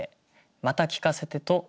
「また聞かせて」。